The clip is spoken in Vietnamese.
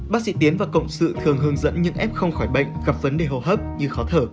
bác sĩ tiến và cộng sự thường hướng dẫn những f không khỏi bệnh gặp vấn đề hô hấp như khó thở